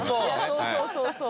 そうそうそうそう。